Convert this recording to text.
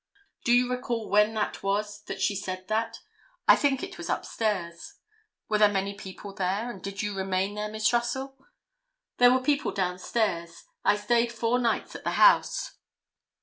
"Do you recall when that was that she said that?" "I think it was up stairs." "Were there many people there, and did you remain there, Miss Russell?" "There were people down stairs. I stayed four nights at the house."